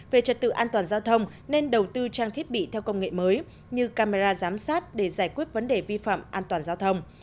về trật tự an toàn giao thông nên đầu tư trang thiết bị theo công nghệ mới như camera giám sát để giải quyết vấn đề vi phạm an toàn giao thông